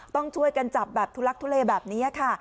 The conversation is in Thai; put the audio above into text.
ต้องช่วยกันจับแบบทุลักทุเลแบบนี้ค่ะ